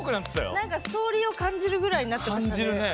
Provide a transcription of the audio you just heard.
なんかストーリーを感じるぐらいになってましたね。